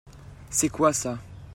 C'est quoi ça ?